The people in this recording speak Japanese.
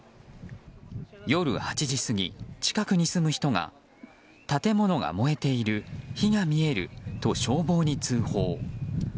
夜８時過ぎ、近くに住む人が建物が燃えている火が見えると消防に通報。